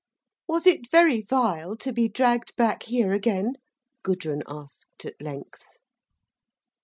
"Was it very vile to be dragged back here again?" Gudrun asked at length.